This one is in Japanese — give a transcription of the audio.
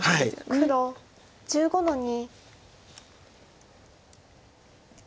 黒１５の二。